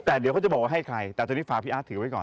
แต่เดี๋ยวเขาจะบอกว่าให้ใครแต่ตอนนี้ฝากพี่อาร์ตถือไว้ก่อน